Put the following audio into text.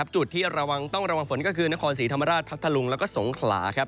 จุดที่ระวังต้องระวังฝนก็คือนครศรีธรรมราชพัทธลุงแล้วก็สงขลาครับ